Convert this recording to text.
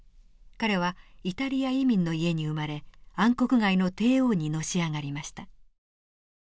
彼はイタリア移民の家に生まれ暗黒街の帝王にのし上がりました。